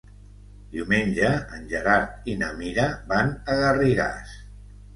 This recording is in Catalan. Diumenge en Gerard i na Mira van a Garrigàs.